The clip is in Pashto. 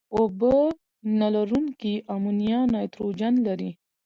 اوبه نه لرونکي امونیا نایتروجن لري.